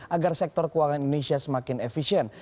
agar sektor keuangan indonesia semakin efisien